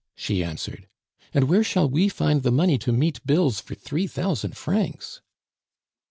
she answered. "And where shall we find the money to meet bills for three thousand francs?"